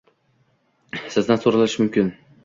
Sizdan so‘ralishi mumkin: